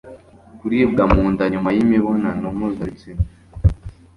Kuribwa mu nda nyuma y'imibonanano mpuzabitsina